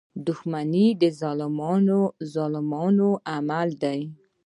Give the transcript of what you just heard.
• دښمني د ظالمانو عمل دی.